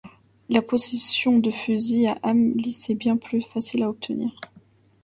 La possession de fusils à âme lisse est bien plus facile à obtenir.